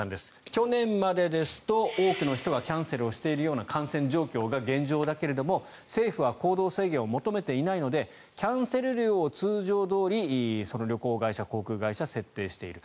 去年までですと多くの人がキャンセルしているような感染状況が現状だけれども政府は行動制限を求めていないのでキャンセル料を通常どおりその旅行会社や航空会社は設定している。